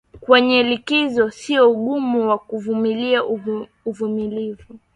kwenye likizo sio ugumu wa kuvumilia uvumilivu